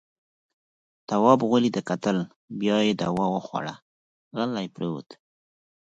تواب غولي ته کتل. بيا يې دوا وخوړه، غلی پرېووت.